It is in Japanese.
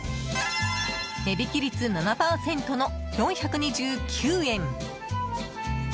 値引き率７％の４２９円。